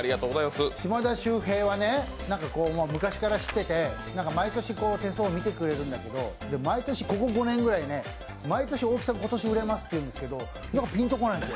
島田秀平はね、昔から知ってて、毎年、手相を見てくれるんだけど毎年ここ５年ぐらい、大木さん、今年売れますって言うんですけど、なんかピンと来ないんですよ。